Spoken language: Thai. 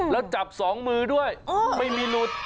แล้วจับสองมือด้วยไม่มีหลุด